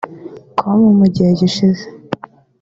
com mu gihe gishize